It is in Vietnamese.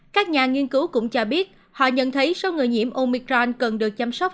các nhà nghiên cứu cũng cho biết họ nhận thấy số người nhiễm omicron cần được chăm sóc